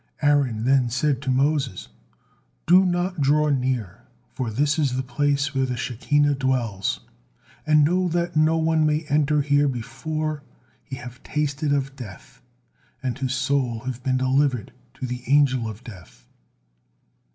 Aaron then said to Moses: "Do not draw near, for this is the place where the Shekinah dwells, and know that no one may enter here before he have tasted of death and his soul have been delivered to the Angel of Death."